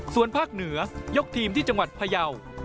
ส่วนภาคเหนือยกทีมที่จังหวัดพยาว